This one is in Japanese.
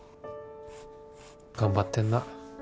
頑張ってんな。